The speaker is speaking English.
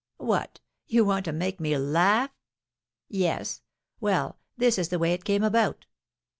'What, you want to make me laugh?' 'Yes. Well, this is the way it came about.